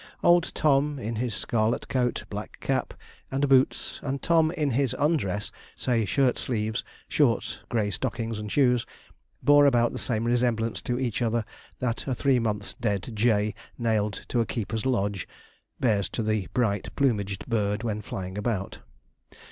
Old Tom, in his scarlet coat, black cap, and boots, and Tom in his undress say, shirt sleves, shorts, grey stockings and shoes, bore about the same resemblance to each other that a three months dead jay nailed to a keeper's lodge bears to the bright plumaged bird when flying about.